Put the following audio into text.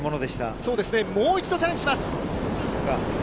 そうですね、もう一度チャレンジします。